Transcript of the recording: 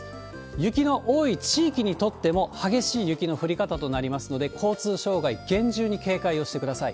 雪の多い地域にとっても激しい雪の降り方となりますので、交通障害、厳重に警戒をしてください。